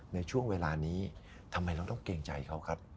ในช่วงเวลานี้ทำไมเราต้องเกรงใจเขาครับ